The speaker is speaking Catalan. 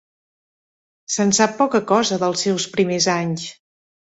Se'n sap poca cosa, dels seus primers anys.